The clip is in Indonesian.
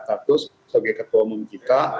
sebagai ketua umum kita